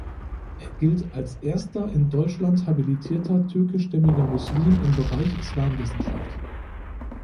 Er gilt als erster in Deutschland habilitierter türkischstämmiger Muslim im Bereich Islamwissenschaft.